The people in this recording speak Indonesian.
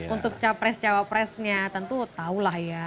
untuk capres cawapresnya tentu tahu lah ya